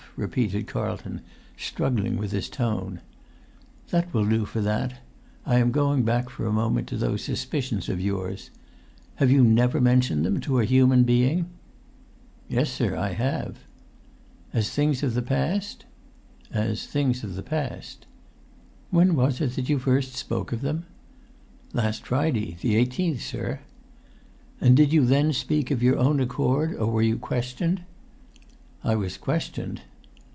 repeated Carlton, struggling with his tone. "That will do for that. I am going back for a moment to those suspicions of yours. Have you never mentioned them to a human being?" "Yes, sir, I have." "As things of the past?" "As things of the past." [Pg 164]"When was it that you first spoke of them?" "Last Friday—the eighteenth, sir." "And did you then speak of your own accord, or were you questioned?" "I was questioned."